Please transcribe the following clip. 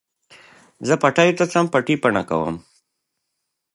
د هغوی غوښتنې پر معرفت اثر کړی دی